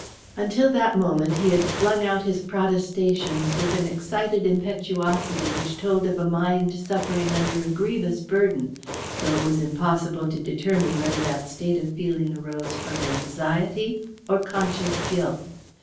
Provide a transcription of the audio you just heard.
Until that moment he had flung out his protestations with an excited impetuosity which told of a mind suffering under a grievous burden, though it was impossible to determine whether that state of feeling arose from anxiety or conscious guilt.